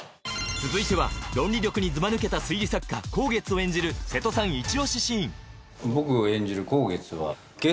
続いては論理力にずばぬけた推理作家香月を演じる瀬戸さんで何か。